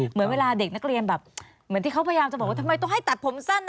เหมือนเวลาเด็กนักเรียนแบบเหมือนที่เขาพยายามจะบอกว่าทำไมต้องให้ตัดผมสั้นนะ